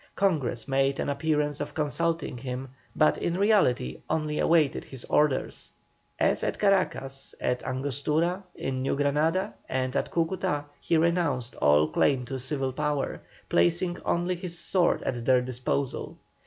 Congress made an appearance of consulting him, but in reality only awaited his orders. As at Caracas, at Angostura, in New Granada, and at Cúcuta, he renounced all claim to civil power, placing only his sword at their disposal.